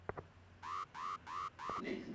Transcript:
আমি যুদ্ধ করব, স্যার!